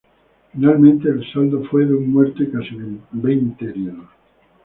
Finalmente, el saldo fue de un muerto y casi veinte heridos.